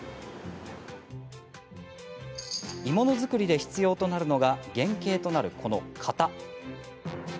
鋳物作りで必要となるのが原型となる、この型。